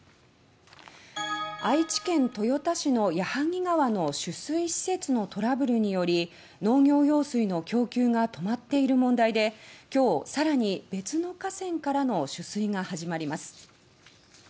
愛知県豊田市の矢作川の取水施設のトラブルにより農業用水の供給が止まっている問題で今日、さらに別の河川からの取水が始まります。